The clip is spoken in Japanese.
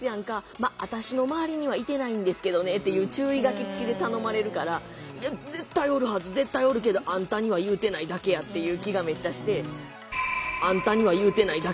まあ私の周りにはいてないんですけどね」っていう注意書きつきで頼まれるから「絶対おるはず！絶対おるけどあんたには言うてないだけや」っていう気がめっちゃして。